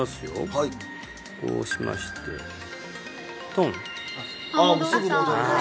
はいこうしましてトンああすぐ戻りますね